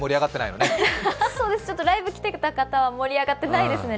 そうです、ライブ来てた方は盛り上がってないですね。